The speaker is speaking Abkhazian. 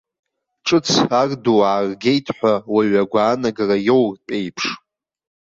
Ҿыц ар ду ааргеит ҳәа уаҩ агәаанагара иоуртә еиԥш.